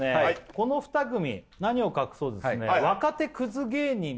この２組何を隠そうですね